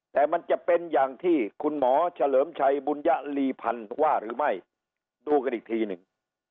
แต่มันจะเป็นอย่างที่คุณหมอเฉลิมชัยบุญยลีพันธ์ว่าหรือไม่ดูกันอีกทีหนึ่ง